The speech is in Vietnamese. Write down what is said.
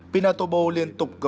pinatubo liên tục đưa ra cảnh báo